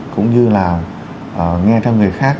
cũng như là nghe thăm người khác